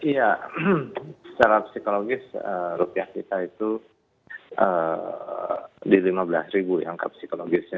ya secara psikologis rupiah kita itu di lima belas ribu yang ke psikologisnya